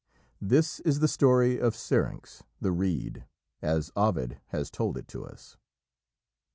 This is the story of Syrinx, the reed, as Ovid has told it to us.